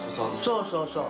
そうそうそう。